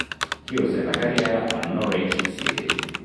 Chiuse la carriera al Norwich City.